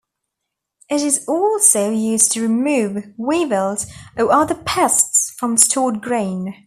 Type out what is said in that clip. It is also used to remove weevils or other pests from stored grain.